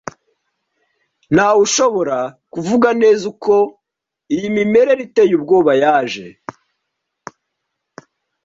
Ntawe ushobora kuvuga neza uko iyi mimerere iteye ubwoba yaje.